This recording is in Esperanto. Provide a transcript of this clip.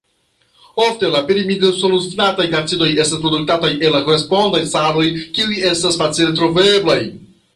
Ofte la pirimidinosulfinataj acidoj estas produktataj el la korespondaj saloj kiuj estas facile troveblaj.